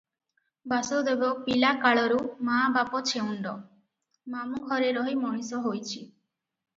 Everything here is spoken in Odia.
ବାସୁଦେବ ପିଲାକାଳରୁ ମା ବାପ ଛେଉଣ୍ଡ, ମାମୁ ଘରେ ରହି ମଣିଷ ହୋଇଛି ।